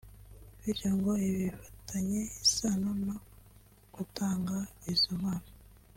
bityo ngo ibi bifitanye isano no gutanga izo mpano